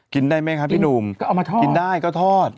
กินได้ไหมครับพี่หนุ่มกินได้ก็ทอด